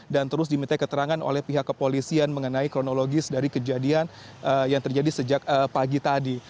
dan terus diminta keterangan oleh pihak kepolisian mengenai kronologis dari kejadian yang terjadi sejak pagi tadi